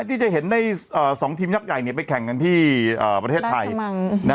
ที่จะเห็นใน๒ทีมยักษ์ใหญ่ไปแข่งกันที่ประเทศไทย